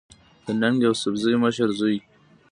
د ننګ يوسفزۍ مشر زوی